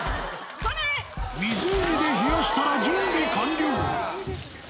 湖で冷やしたら、準備完了。